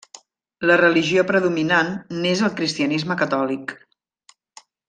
La religió predominant n'és el cristianisme catòlic.